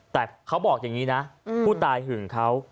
แต่เขาบอกอย่างนี้นะผู้ตายหึงเขา